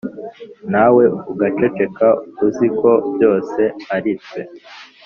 Nawe ugaceceka uziko byose aritwe